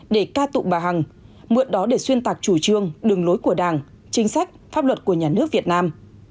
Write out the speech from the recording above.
để ca tụ bà hằng mượn đó để xuyên tạc chủ trương đường lối của đảng chính sách pháp luật của nhà nước việt nam